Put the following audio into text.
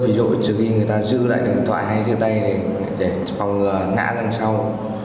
ví dụ trừ khi người ta giữ lại điện thoại hay giữ tay để phòng ngã ra sau